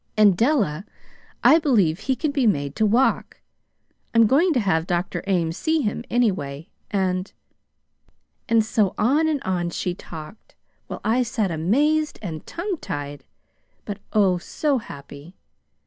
And, Della, I believe he can be made to walk. I'm going to have Dr. Ames see him, anyway, and ' "And so on and on she talked, while I sat amazed and tongue tied, but, oh, so happy!